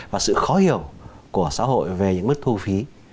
và sự khó hiểu của xã hội về những mức thu phí